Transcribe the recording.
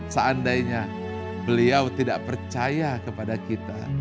seandainya beliau tidak percaya kepada kita